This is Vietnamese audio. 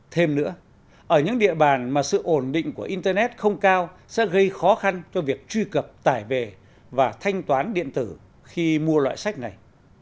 thêm nữa ở những địa bàn mà sự ổn định của internet không cao sẽ gây khó khăn cho việc truy cập tải về và thanh toán điện tử khi mua loại sách này